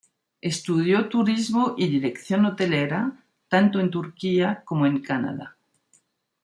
Estudió Turismo y Dirección Hotelera, tanto en Turquía como en Canadá.